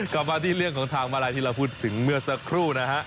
กลับมาที่เรื่องของทางมาลัยที่เราพูดถึงเมื่อสักครู่นะฮะ